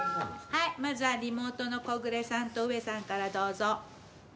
はいまずはリモートの小暮さんと上さんからどうぞ。